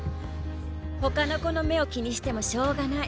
ほかの子の目を気にしてもしょうがない。